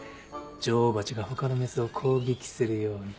女王蜂が他のメスを攻撃するように。